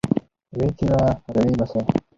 ويې څيره راويې باسه.